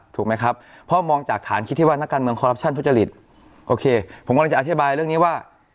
ถูกไหมครับเพราะมองจากฐานคิดที่ว่านักการเมืองคอรัปชั่นทุจริตโอเคผมกำลังจะอธิบายเรื่องนี้ว่า